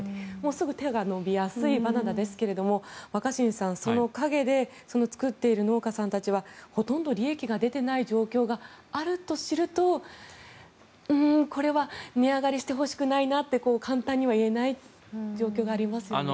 すぐ手が伸びやすいバナナですが若新さん、その陰で作っている農家さんたちはほとんど利益が出ていない状況があると知るとこれは値上がりしてほしくないって簡単に言えないような状況がありますね。